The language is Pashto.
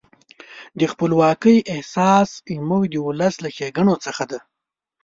د خپلواکۍ احساس زموږ د ولس له ښېګڼو څخه دی.